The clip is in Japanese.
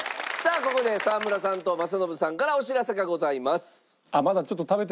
ここで沢村さんと政伸さんからお知らせがございます。